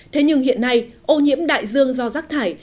thế nhưng hiện nay ô nhiễm đại dương do rác thải